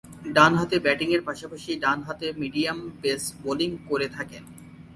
ডানহাতে ব্যাটিংয়ের পাশাপাশি ডানহাতে মিডিয়াম পেস বোলিং করে থাকেন।